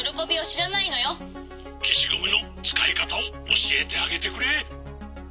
「けしゴムのつかいかたをおしえてあげてくれ」。